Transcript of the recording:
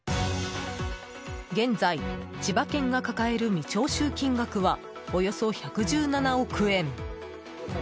現在、千葉県が抱える未徴収金額はおよそ１１７億円。